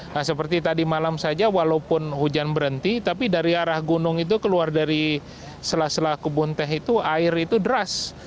nah seperti tadi malam saja walaupun hujan berhenti tapi dari arah gunung itu keluar dari sela sela kebun teh itu air itu deras